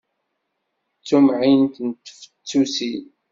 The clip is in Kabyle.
D tumεint n tfettusin!